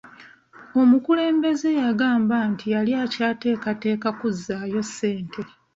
Omukulembeze yagamba nti yali akyateekateeka kuzzaayo ssente.